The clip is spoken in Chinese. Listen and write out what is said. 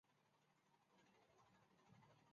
薄膜的拉伸导致样品分子和拉伸方向取向一致。